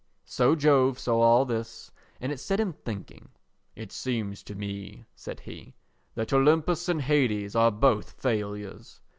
So Jove saw all this and it set him thinking. "It seems to me," said he, "that Olympus and Hades are both failures."